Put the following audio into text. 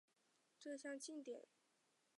这项庆典包含了两场美术展。